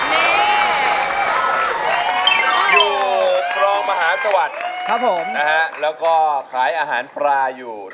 อยู่ทรองมหาสวรรค์แล้วก็ขายอาหารปลาอยู่นะครับ